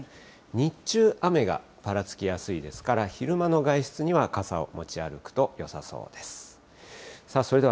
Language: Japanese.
日中、雨がぱらつきやすいですから、昼間の外出には傘を持ち歩くとよさそうです。